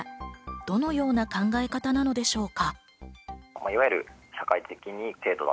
どのような考え方なのでしょうか。